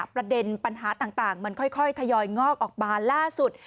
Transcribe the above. ประเด็นปัญหาต่างมันค่อยทยอยงอกออกมาล่าสุด